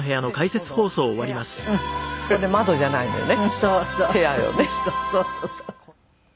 そうそうそう。